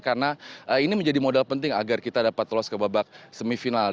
karena ini menjadi modal penting agar kita dapat lolos ke babak semifinal